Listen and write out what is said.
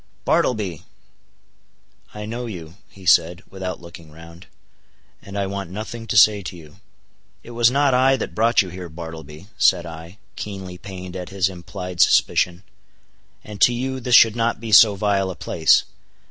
"Bartleby!" "I know you," he said, without looking round,—"and I want nothing to say to you." "It was not I that brought you here, Bartleby," said I, keenly pained at his implied suspicion. "And to you, this should not be so vile a place.